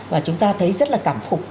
và chúng ta thấy rất là cảm phục